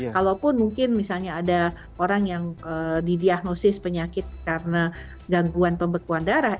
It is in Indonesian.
kalaupun mungkin misalnya ada orang yang didiagnosis penyakit karena gangguan pembekuan darah